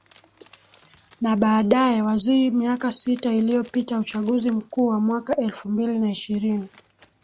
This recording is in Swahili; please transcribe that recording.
na baadaye waziri miaka sita iliyopitaUchaguzi Mkuu wa mwaka elfu mbili na ishirini